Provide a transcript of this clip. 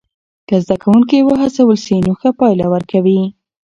که زده کوونکي وهڅول سی نو ښه پایله ورکوي.